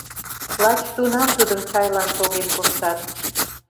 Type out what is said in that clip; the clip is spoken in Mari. Лач тунам тудым чайлан поген коштат.